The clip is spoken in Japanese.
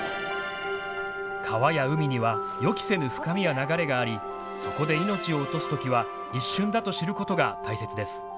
川や海には予期せぬ深みや流れがあり、そこで命を落とすときは一瞬だと知ることが大切です。